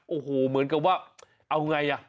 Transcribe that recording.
โอ้โหเหมือนกับว่าเอาไงอ่ะ